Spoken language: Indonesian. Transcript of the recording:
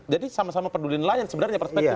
jadi sama sama peduliin lain sebenarnya perspektifnya